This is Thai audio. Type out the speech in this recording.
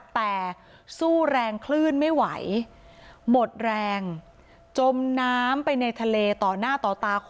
แต่สู้แรงคลื่นไม่ไหวหมดแรงจมน้ำไปในทะเลต่อหน้าต่อตา